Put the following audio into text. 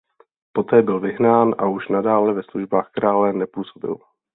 Poté byl vyhnán a už nadále ve službách krále nepůsobil.